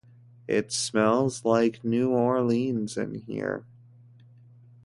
It smells like New Orleans in here.